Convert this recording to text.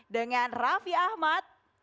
dengan rafi ahmad